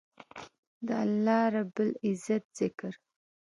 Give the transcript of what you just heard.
د الله رب العزت ذکر